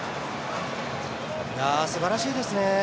すばらしいですね。